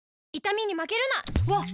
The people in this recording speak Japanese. わっ！